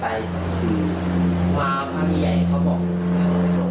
ผมก็ถามเขาส่งไปไหนเขาก็ไม่พูด